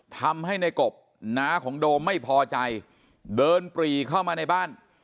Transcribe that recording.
ทำให้ในกบน้าของโดมไม่พอใจเดินปรีเข้ามาในบ้าน